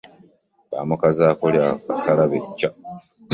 Baamukazaako lya kasalabecca.